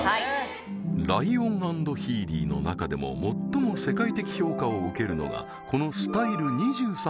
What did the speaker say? ライオン＆ヒーリーの中でも最も世界的評価を受けるのがこのＳｔｙｌｅ２３